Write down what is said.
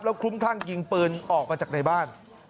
คลุ้มคลั่งยิงปืนออกมาจากในบ้าน